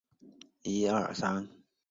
其剩下的两名力士搬到了桐山马厩。